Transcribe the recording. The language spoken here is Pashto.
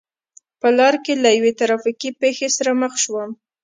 په لار کې له یوې ترا فیکې پېښې سره مخ شوم.